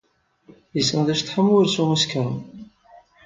Yessen ad yecḍeḥ am wursu isekṛen.